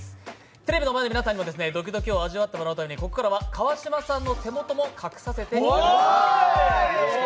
テレビの前の皆さんにもドキドキを味わっていただくために、ここからは川島さんの手元も隠させていただきます。